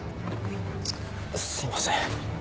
すいません。